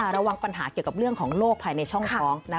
ระวังปัญหาเกี่ยวกับเรื่องของโรคภายในช่องท้องนะ